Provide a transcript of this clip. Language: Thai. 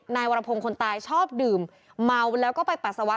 นายวรพงศ์คนตายชอบดื่มเมาแล้วก็ไปปัสสาวะ